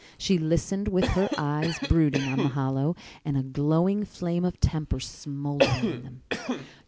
She listened with her eyes brooding on the hollow and a glowing flame of temper smouldering in them.